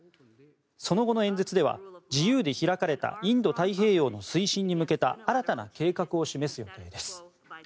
その後の演説では自由で開かれたインド太平洋の推進に向けた新たな計画を示す予定です。